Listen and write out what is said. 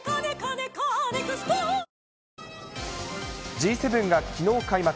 Ｇ７がきのう開幕。